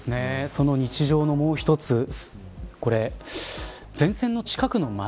その日常のもう一つこれ、前線の近くの町